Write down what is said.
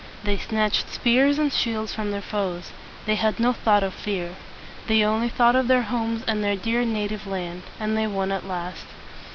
They snatched spears and shields from their foes. They had no thought of fear. They only thought of their homes and their dear native land. And they won at last.